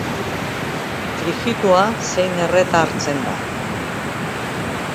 Frijitua zein erreta hartzen da.